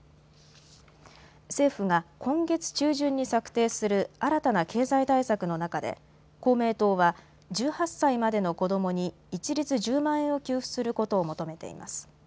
政府が今月中旬に策定する新たな経済対策の中で公明党は１８歳までの子どもに一律１０万円を給付することを求めています。